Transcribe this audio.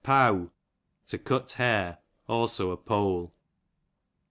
Pow, to cut hair J also a pole.